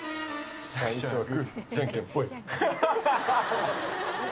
最初はグー、じゃんけんぽい。